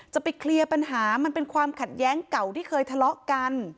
จะไปเคลียร์ปัญหามันเป็นความขัดแย้งเก่าที่เคยทะเลาะกัน